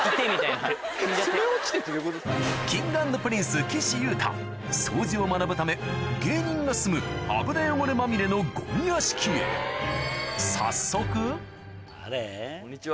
Ｋｉｎｇ＆Ｐｒｉｎｃｅ・岸優太掃除を学ぶため芸人が住む油汚れまみれのゴミ屋敷へこんにちは。